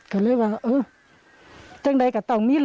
ก็เลยว่าเอ๊ะ